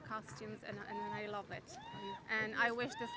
ketika kalian melihat ini hari ini